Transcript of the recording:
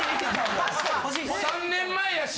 ３年前やし。